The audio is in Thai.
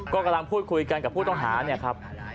ก็กำลังพูดคุยกันกับผู้ต้องหาเนี่ยครับ